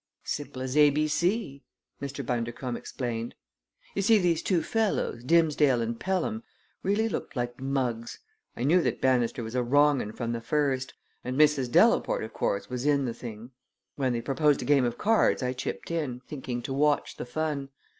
"Simple as ABC!" Mr. Bundercombe explained. "You see these two fellows, Dimsdale and Pelham, really looked like mugs. I knew that Bannister was a wrong 'un from the first; and Mrs. Delaporte, of course, was in the thing. When they proposed a game of cards I chipped in, thinking to watch the fun.